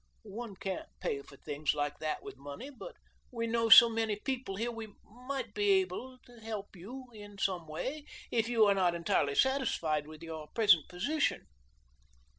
"One can't pay for things like that with money, but we know so many people here we might help you in some way, if you are not entirely satisfied with your present position."